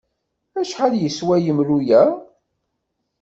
Acḥal yeswa yemru-a?